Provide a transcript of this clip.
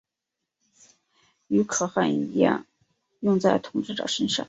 与可汗一样用在统治者身上。